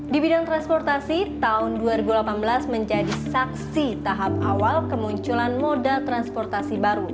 di bidang transportasi tahun dua ribu delapan belas menjadi saksi tahap awal kemunculan moda transportasi baru